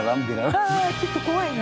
ああちょっと怖いな。